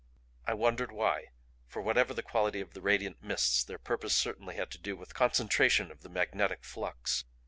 I wondered why for whatever the quality of the radiant mists, their purpose certainly had to do with concentration of the magnetic flux.